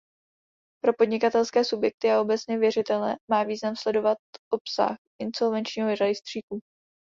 Pro podnikatelské subjekty a obecně věřitele má význam sledovat obsah insolvenčního rejstříku.